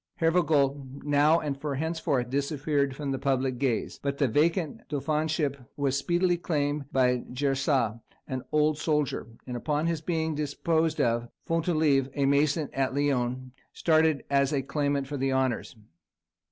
Hervagault now and for henceforth disappeared from public gaze, but the vacant dauphinship was speedily claimed by Jersat, an old soldier; and upon his being disposed of, Fontolive, a mason at Lyons, started as a claimant for the honours.